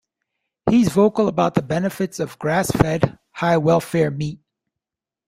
He's vocal about the benefits of grass fed, high welfare meat.